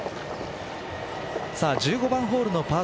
１５番ホールのパー